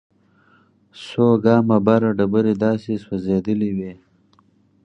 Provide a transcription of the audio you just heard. څو ګامه بره ډبرې داسې سوځېدلې وې.